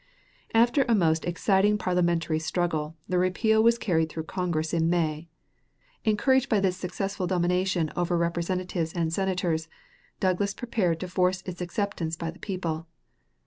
After a most exciting parliamentary struggle the repeal was carried through Congress in May. Encouraged by this successful domination over Representatives and Senators, Douglas prepared to force its acceptance by the people.